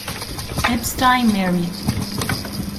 Epstein married.